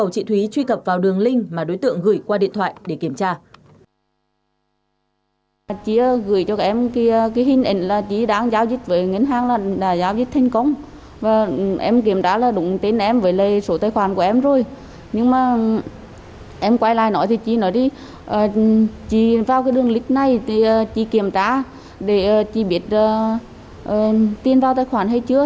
chị vào cái đường lịch này thì chị kiểm tra để chị biết tiền vào tài khoản hay chưa